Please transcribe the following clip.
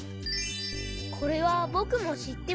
これはぼくもしってます。